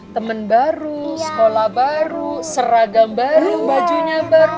teman baru sekolah baru seragam baru bajunya baru